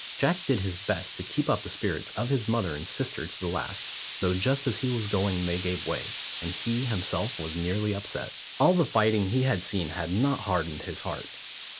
Jack did his best to keep up the spirits of his mother and sister to the last, though just as he was going they gave way, and he himself was nearly upset. All the fighting he had seen had not hardened his heart.